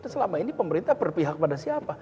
selama ini pemerintah berpihak pada siapa